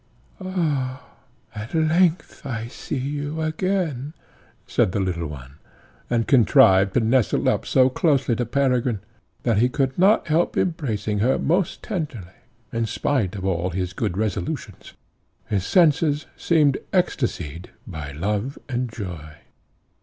"At length I see you again!" lisped the little one, and contrived to nestle up so closely to Peregrine, that he could not help embracing her most tenderly in spite of all his good resolutions. His senses seemed ecstacied by love and joy.